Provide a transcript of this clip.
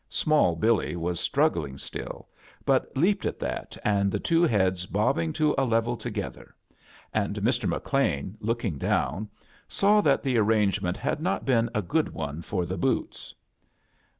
Small Billy was struggling still, but leap ed at that, the two heads bobbing to a level together; and Mr. McLean, looking down, saw that the arrangement had not been a good one for the bcwts.